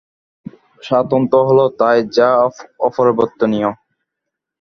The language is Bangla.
স্বাতন্ত্র্য হল তাই, যা অপরিবর্তনীয়।